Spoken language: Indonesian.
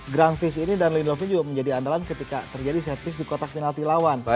grandfist ini dan lindelof ini juga menjadi andalan ketika terjadi set fist di kotak penalti lawan